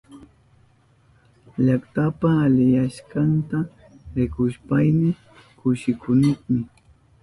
Llaktapa aliyashkanta rikushpayni kushikunimi.